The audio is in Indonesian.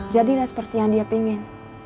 jadilah seperti yang dia ingin